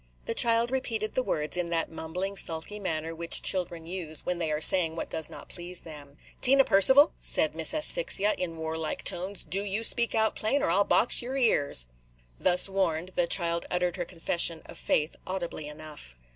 '" The child repeated the words, in that mumbling, sulky manner which children use when they are saying what does not please them. "Tina Percival," said Miss Asphyxia, in warlike tones, "do you speak out plain, or I 'll box yer ears." Thus warned, the child uttered her confession of faith audibly enough.